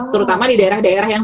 terutama di daerah daerah yang